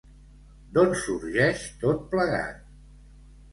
D'on sorgeix tot plegat?